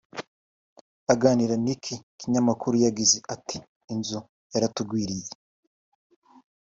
aganira n’iki kinyamakuru yagize ati “Inzu yaratugwiriye